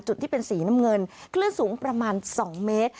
จุดที่เป็นสีน้ำเงินคลื่นสูงประมาณ๒เมตร